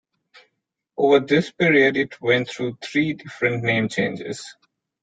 Over this period it went through three different name changes.